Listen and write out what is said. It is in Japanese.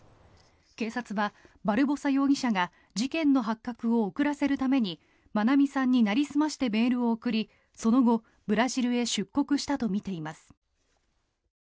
警察はバルボサ容疑者が事件の発覚を遅らせるために愛美さんになりすましてメールを送りその後、ブラジルへ出国したとみています。